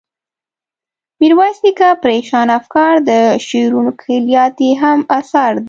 میرویس نیکه، پریشانه افکار، د شعرونو کلیات یې هم اثار دي.